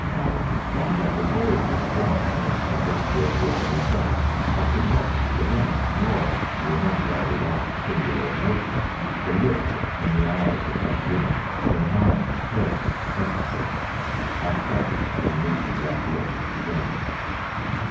I rather avoided glancing at the picture in the ebony frame. I could not forget, nor remember without singular emotion, the look in the eyes of that woman when mine first met them. I shrank from meeting that look again.